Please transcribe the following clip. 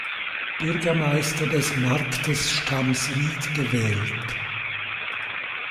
Bürgermeister des Marktes Stamsried gewählt.